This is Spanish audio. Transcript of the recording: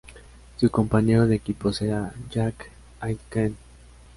Su compañero de equipo será Jack Aitken.